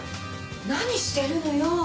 何してるのよ。